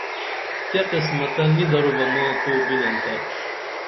کیہ قسمتہ نی درو بہ ماں تو بنن تہ